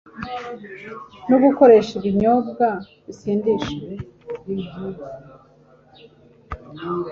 no gukoresha ibinyobwa bisindisha